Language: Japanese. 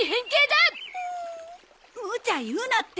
むちゃ言うなって。